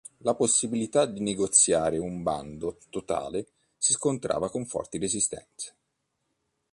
La possibilità di negoziare un bando totale si scontrava con forti resistenze.